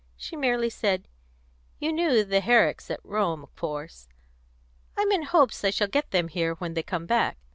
She merely said: "You knew the Herricks at Rome, of course. I'm in hopes I shall get them here when they come back.